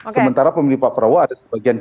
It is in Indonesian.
sementara pemilih pak prabowo ada sebagian